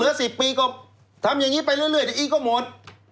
เหลือ๑๐ปีก็ทำอย่างนี้ไปเรื่อยอีกก็หมด